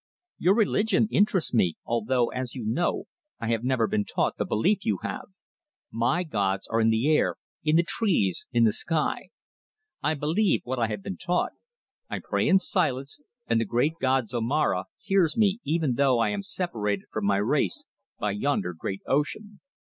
Your religion interests me, although, as you know, I have never been taught the belief you have. My gods are in the air, in the trees, in the sky. I believe what I have been taught; I pray in silence and the great god Zomara hears me even though I am separated from my race by yonder great ocean.